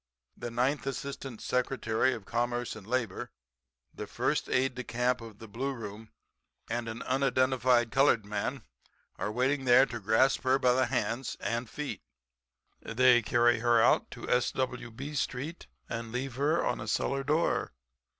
The ninth Assistant Secretary of Commerce and Labor, the first aide de camp of the Blue Room and an unidentified colored man are waiting there to grasp her by the hands and feet. They carry her out to S.W. B. street and leave her on a cellar door.